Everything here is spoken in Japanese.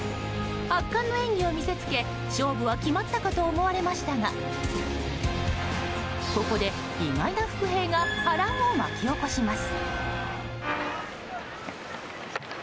圧巻の演技を見せつけ勝負は決まったかと思われましたがここで意外な伏兵が波乱を巻き起こします。